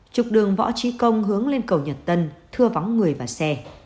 trục đường võ trí công hướng lên cầu nhật tân thưa vắng người và xe